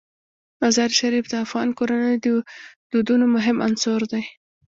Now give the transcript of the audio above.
مزارشریف د افغان کورنیو د دودونو مهم عنصر دی.